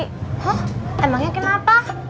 hah emangnya kenapa